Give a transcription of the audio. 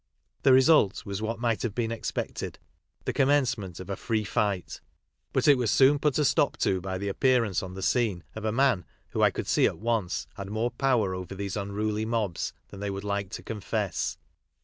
The result was what might have been expected, the commencement of a free fight; but it was soon put a stop to by the appearance on the scene or a man who I could see at once had more power over these unruly mobs than they would like to confess.